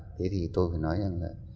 thế thì tôi phải nói rằng là